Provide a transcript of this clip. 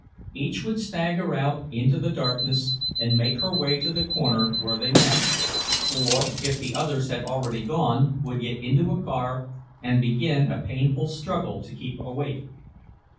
Each would stagger out into the darkness, and make her way to the corner, where they met; or if the others had already gone, would get into a car, and begin a painful struggle to keep awake.